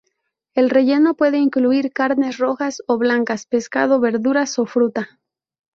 El relleno puede incluir carnes rojas o blancas, pescado, verduras o fruta.